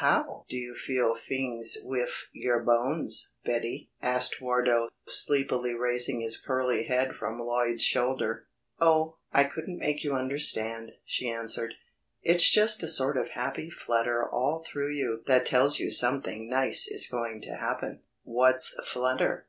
"How do you feel fings wif your bones, Betty?" asked Wardo, sleepily raising his curly head from Lloyd's shoulder. "Oh, I couldn't make you understand," she answered. "It's just a sort of happy flutter all through you that tells you something nice is going to happen." "What's flutter?"